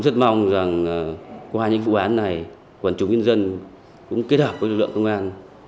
rất mong rằng qua những vụ án này quản chủ nguyên dân cũng kết hợp với lực lượng công an